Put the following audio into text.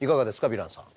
ヴィランさん。